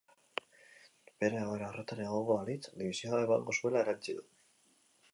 Bera egoera horretan egongo balitz, dimisioa emango zuela erantsi du.